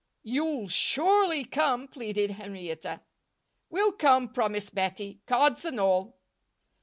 "You'll surely come," pleaded Henrietta. "We'll come," promised Bettie, "cards and all."